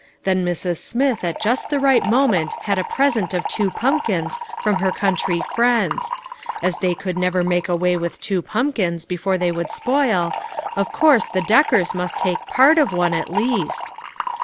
Then Mrs. Smith at just the right moment had a present of two pumpkins from her country friends ; a they could never make away with two pumpkins before they would spoil, of course the Deckers must take part of THE CROWNING WONDEE. 403 one, at least.